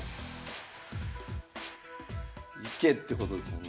行けってことですもんね。